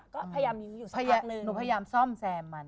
ก็พยายามยืนอยู่สักครั้งหนึ่ง